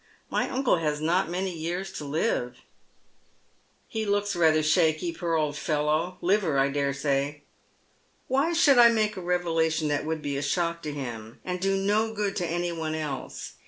My uncle has not many years to live." " He looks rather shaky, poor old fellow — liver, I dare say." " Why should I make a revelation that would be a shock to him, and do no good to any one else